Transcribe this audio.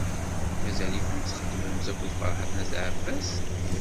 Mazal-ikent txeddmemt akked Ferḥat n At Ɛebbas?